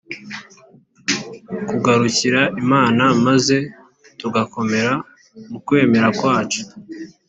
kugarukira imana, maze tugakomera mu kwemera kwacu